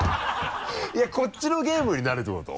いやこっちのゲームになるっていうこと？